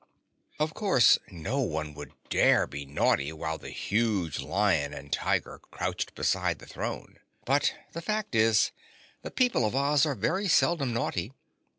Of course no one would dare be naughty while the huge Lion and Tiger crouched beside the throne; but the fact is, the people of Oz are very seldom naughty.